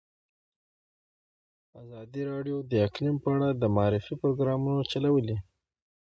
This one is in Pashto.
ازادي راډیو د اقلیم په اړه د معارفې پروګرامونه چلولي.